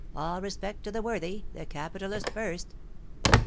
All respect to the worthy the capitalist first."